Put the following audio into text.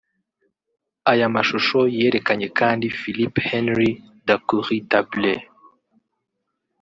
Aya mashusho yerekanye kandi Philippe Henri Dacoury Tabley